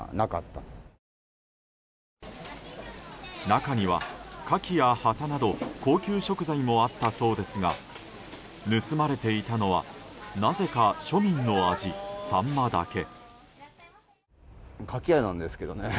中には、カキやハタなど高級食材もあったそうですが盗まれていたのはなぜか庶民の味、サンマだけ。